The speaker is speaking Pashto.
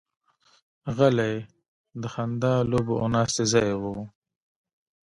غلۍ د خندا، لوبو او ناستې ځای وي.